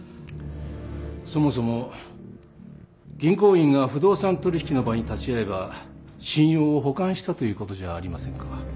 そもそも銀行員が不動産取引の場に立ち会えば信用を補完したという事じゃありませんか？